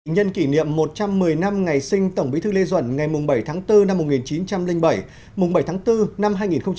nhân kỷ niệm một trăm một mươi năm ngày sinh tổng bí thư lê duẩn ngày bảy tháng bốn năm một nghìn chín trăm linh bảy bảy tháng bốn năm hai nghìn hai mươi